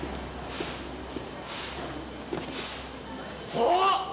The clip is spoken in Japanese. あっ！